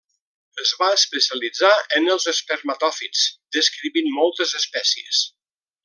Es va especialitzar en els espermatòfits, descrivint moltes espècies.